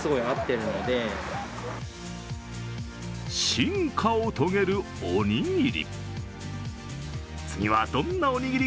進化を遂げるおにぎり。